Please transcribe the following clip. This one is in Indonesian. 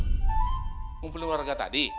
ngumpulin warga tadi